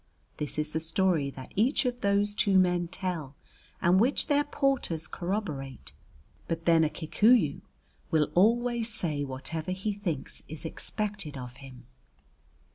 This is the story that each of those two men tell, and which their porters corroborate, but then a Kikuyu will always say whatever he thinks is expected of him.